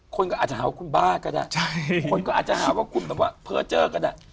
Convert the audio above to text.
คนก็อาจจะหาว่าคุณบ้ากันอะคนก็อาจจะหาว่าคุณแต่ว่าเผลอเจอกันอะ